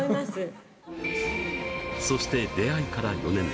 そして、出会いから４年。